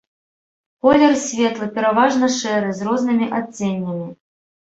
Колер светлы, пераважна шэры, з рознымі адценнямі.